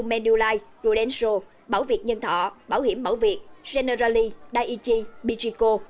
manulife rodenso bảo việt nhân thọ bảo hiểm bảo việt generali daiichi pichico